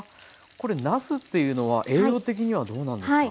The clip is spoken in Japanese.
これなすっていうのは栄養的にはどうなんですか？